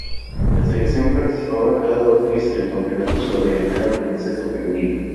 La selección participa cada dos años en el Campeonato Sudamericano de Baloncesto Femenino.